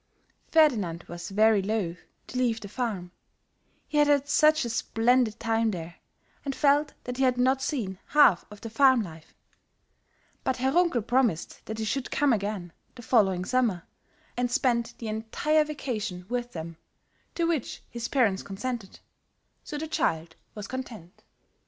Ferdinand was very loth to leave the farm, he had had such a splendid time there, and felt that he had not seen half of the farm life; but Herr Runkel promised that he should come again the following summer and spend the entire vacation with them, to which his parents consented, so the child was content.